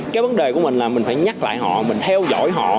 cái vấn đề của mình là mình phải nhắc lại họ mình theo dõi họ